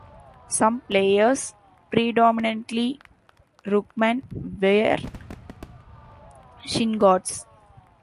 Some players, predominantly ruckmen, wear shin guards.